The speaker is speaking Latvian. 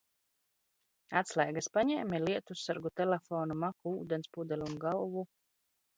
Atslēgas paņēmi? Lietussargu? Telefonu, maku, ūdens pudeli? Un galvu?